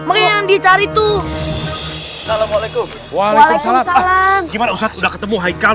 itu mereka yang dicari tuh assalamualaikum waalaikumsalam gimana ustadz udah ketemu haikal